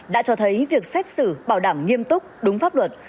đã cho thấy việc xét xử bảo đảm nghiêm túc đúng pháp luật